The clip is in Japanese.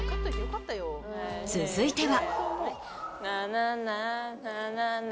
続いては。